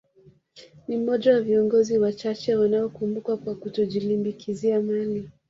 Ni mmoja wa viongozi wachache wanaokumbukwa kwa kutojilimbikizia mali